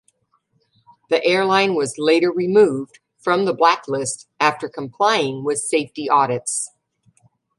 The airline was later removed from the blacklist after complying with safety audits.